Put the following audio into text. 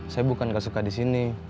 saya bukan gak suka disini